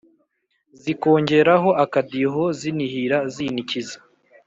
Zikongeraho akadiho zinihira zinikiza